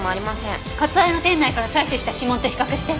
かつ絢の店内から採取した指紋と比較して。